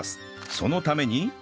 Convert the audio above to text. そのために